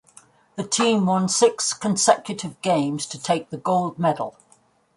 The team won six consecutive games to take the gold medal.